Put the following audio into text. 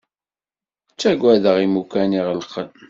Ttagadeɣ imukan iɣelqen.